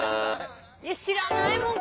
知らないもん